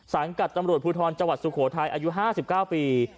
สังกัดตำรวจภูทรจังหวัดสุโขทัยอายุ๕๙ปี